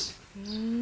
うん。